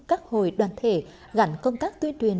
các hội đoàn thể gắn công tác tuyên truyền